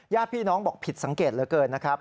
ญาติพี่น้องบอกผิดสังเกตเหลือเกินนะครับ